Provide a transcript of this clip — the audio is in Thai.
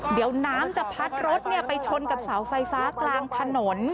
เดี๋ยวน้ำจะพัดรถไปชนกับเสาไฟฟ้ากลางถนน